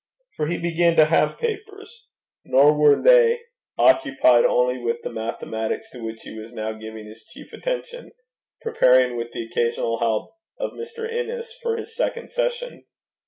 For he began to have papers; nor were they occupied only with the mathematics to which he was now giving his chief attention, preparing, with the occasional help of Mr. Innes, for his second session.